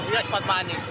iya sepat panik